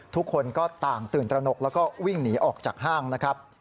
ทุกคนก็ต่างตื่นตระหนกแล้วก็วิ่งหนีออกจากห้างนะครับ